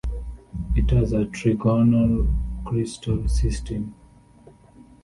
It has a trigonal crystal system.